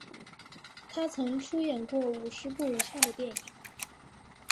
他曾出演过五十部以上的电影。